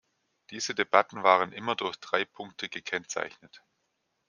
Diese Debatten waren immer durch drei Punkte gekennzeichnet.